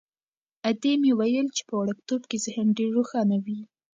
ادې مې ویل چې په وړکتوب کې ذهن ډېر روښانه وي.